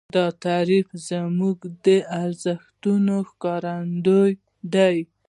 دا تعریف زموږ د ارزښتونو ښکارندوی دی.